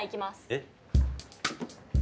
えっ？